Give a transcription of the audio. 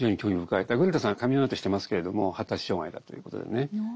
だからグレタさんはカミングアウトをしてますけれども発達障害だということでね。